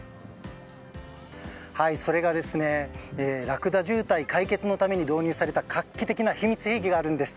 それがラクダ渋滞解決のために導入された画期的な秘密的があるんです。